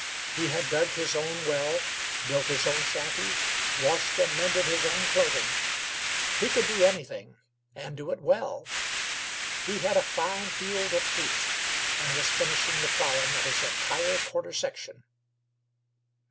He had dug his own well, built his own shanty, washed and mended his own clothing. He could do anything, and do it well. He had a fine field of wheat, and was finishing the ploughing of his entire quarter section.